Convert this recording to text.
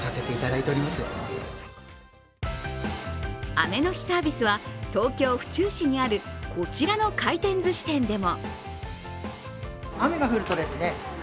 雨の日サービスは、東京・府中市にあるこちらの回転ずし店でも。